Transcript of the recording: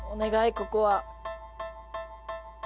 ここは。